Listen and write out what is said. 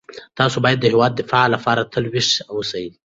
تاسو باید د هیواد د دفاع لپاره تل ویښ اوسئ.